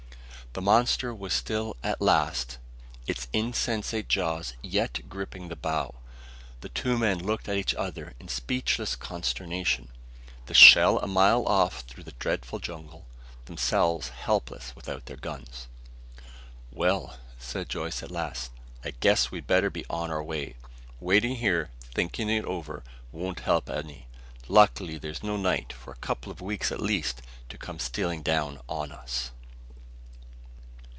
The monster was still at last, its insensate jaws yet gripping the bough. The two men looked at each other in speechless consternation. The shell a mile off through the dreadful jungle.... Themselves, helpless without their guns.... "Well," said Joyce at last. "I guess we'd better be on our way. Waiting here, thinking it over, won't help any. Lucky there's no night, for a couple of weeks at least, to come stealing down on us."